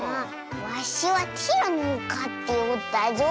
わしはティラノをかっておったぞ。